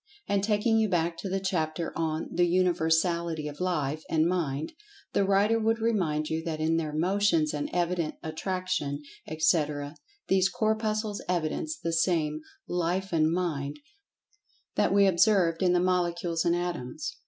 And, taking you back to the chapter on "The Universality of Life and[Pg 94] Mind," the writer would remind you that in their Motions and evident Attraction, etc., these Corpuscles evidence the same "Life and Mind" that we observed in the Molecules and Atoms.